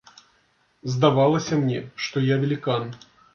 Здавалася мне, што я велікан.